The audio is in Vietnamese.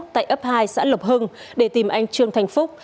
tại ấp hai xã lộc hưng để tìm anh trương thành phúc